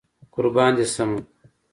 قربان دي شمه